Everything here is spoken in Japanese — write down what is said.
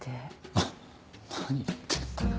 な何言ってんだよ。